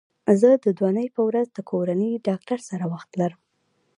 زه د دونۍ په ورځ د کورني ډاکټر سره وخت لرم